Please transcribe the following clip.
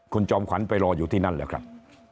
คุณจอมขวัญไปรออยู่ที่นั่นเหรอครับ